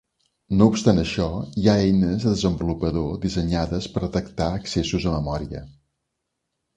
No obstant això, hi ha eines de desenvolupador dissenyades per detectar accessos a memòria.